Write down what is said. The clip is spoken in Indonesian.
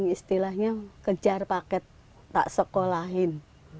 istilahnya kejar paket tak sekolahin